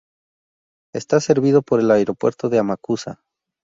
Está servido por el aeropuerto de Amakusa.